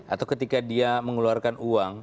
atau ketika dia mengeluarkan uang